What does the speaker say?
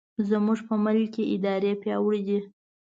زموږ په ملک کې ادارې پیاوړې دي.